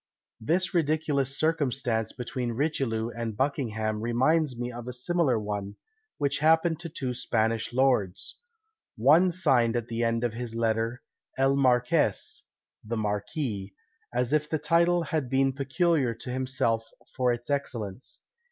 This ridiculous circumstance between Richelieu and Buckingham reminds me of a similar one, which happened to two Spanish Lords: One signed at the end of his letter EL Marques (THE Marquis), as if the title had been peculiar to himself for its excellence.